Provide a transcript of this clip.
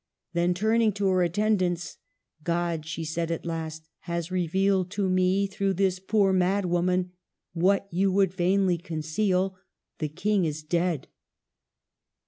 Then, turning to her attendants, " God," she said at last, " has revealed to me through this poor madwoman what you would vainly conceal. The King is dead."